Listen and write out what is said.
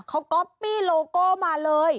เขาก๊อปปี้โลโก้มาเลย